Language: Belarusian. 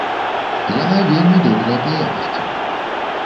Яна вельмі добрая па якасці.